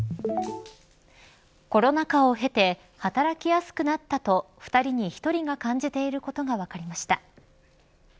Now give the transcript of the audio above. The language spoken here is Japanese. コロナ禍を経て働きやすくなったと２人に１人が感じていることが分かりました。